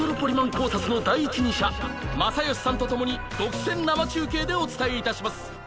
考察の第一人者正義さんとともに独占生中継でお伝えいたします